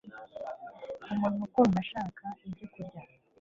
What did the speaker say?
umuntu kumva ashaka ibyokurya